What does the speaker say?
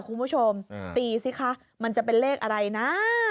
คุณผู้ชมตีสิคะมันจะเป็นเลขอะไรนะ